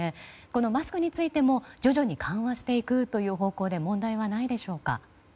このマスクについても徐々に緩和していくという方向で問題はないでしょうか？